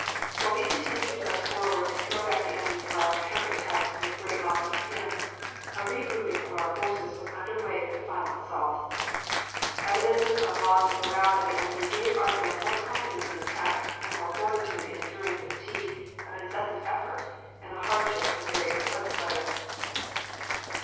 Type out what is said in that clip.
While we continued to press forward and throw back the enemy's violent counter attacks with great loss to him, a regrouping of our forces was under way for the final assault. Evidences of loss of morale by the enemy gave our men more confidence in attack and more fortitude in enduring the fatigue of incessant effort and the hardships of very inclement weather.